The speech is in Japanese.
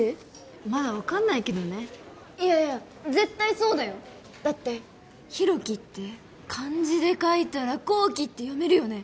まだ分かんないけどねいやいや絶対そうだよだって広樹って漢字で書いたらこうきって読めるよね